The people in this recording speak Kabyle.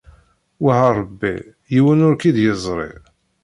Wah a Ṛebbi yiwen ur k-id-yeẓṛi.